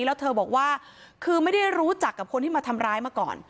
แล้วเธอบอกว่าคือไม่ได้รู้จักกับคนที่มาทำร้ายมาก่อน